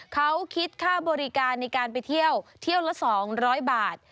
เขาคิดค่าบริการในการไปเที่ยวเที่ยวละ๒๐๐บาท